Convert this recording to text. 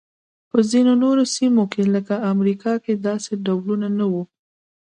خو په ځینو نورو سیمو لکه امریکا کې داسې ډولونه نه وو.